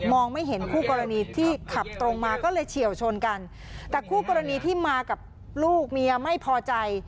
ไม่เห็นคู่กรณีที่ขับตรงมาก็เลยเฉียวชนกันแต่คู่กรณีที่มากับลูกเมียไม่พอใจ